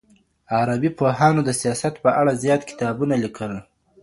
عربي پوهانو د سياست په اړه زيات کتابونه ليکل.